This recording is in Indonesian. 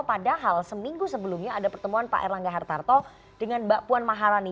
padahal seminggu sebelumnya ada pertemuan pak erlangga hartarto dengan mbak puan maharani